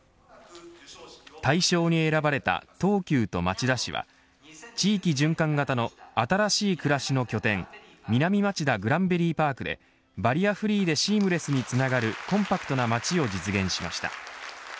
大賞に選ばれた東急と町田市は地域循環型の新しい暮らしの拠点南町田グランベリーパークでバリアフリーでシームレスにつながるコンパクトな街を実現しました。